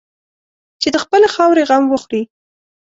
چې د خپلې خاورې غم وخوري.